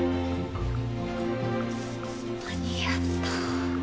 間に合った。